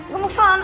gue mau ke sana